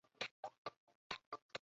宏琳厝居住着黄姓家族。